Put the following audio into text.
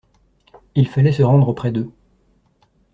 Il fallait se rendre auprès d'eux.